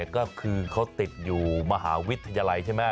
ก็คือเขาติดอยู่มหาวิทยาลัยใช่ไหม